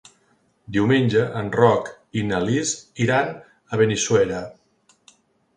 Diumenge en Roc i na Lis iran a Benissuera.